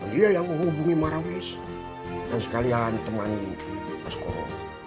dia yang menghubungi marawis dan sekalian teman askoro